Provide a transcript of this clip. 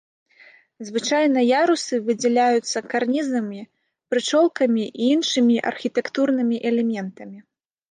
Звычайна ярусы выдзяляюцца карнізамі, прычолкамі і іншымі архітэктурнымі элементамі.